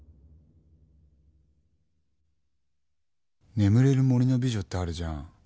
『眠れる森の美女』ってあるじゃん。